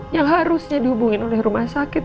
yang harusnya dihubungin oleh rumah sakit